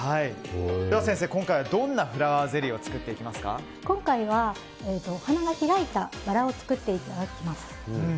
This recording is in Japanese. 先生、今回はどんなフラワーゼリーを今回はお花が開いたバラを作っていただきます。